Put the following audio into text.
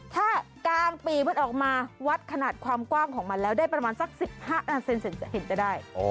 ถ้ากลางปีมันออกมาวัดขนาดความกว้างของมันแล้วได้ประมาณสัก๑๕เห็นจะได้